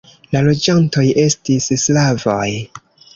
La loĝantoj estis slavoj.